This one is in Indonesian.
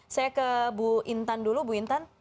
saya ke bu intan dulu bu intan